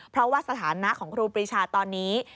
เพราะว่าสถานะของครูปรีชาตอนนี้